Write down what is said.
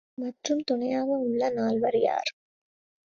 மற்றும் துணையாக உள்ள நால்வர் யார்?